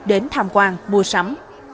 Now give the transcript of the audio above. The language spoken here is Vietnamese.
đến tham quan mua sắm